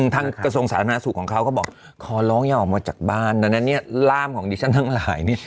กระทรวงสาธารณสุขของเขาก็บอกขอร้องอย่าออกมาจากบ้านดังนั้นเนี่ยร่ามของดิฉันทั้งหลายเนี่ย